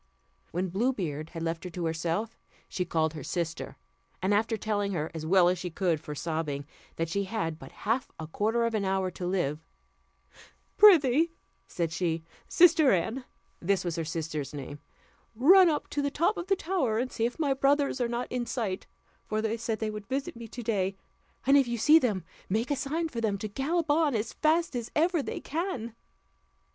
When Blue Beard had left her to herself, she called her sister; and after telling her, as well as she could for sobbing, that she had but half a quarter of an hour to live; "Prithee," said she, "sister Anne," (this was her sister's name), "run up to the top of the tower, and see if my brothers are not in sight, for they said they would visit me to day, and if you see them, make a sign for them to gallop on as fast as ever they can."